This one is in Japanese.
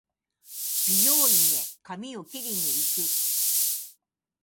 美容院へ髪を切りに行く